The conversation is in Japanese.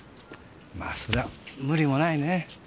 まあそりゃ無理もないね。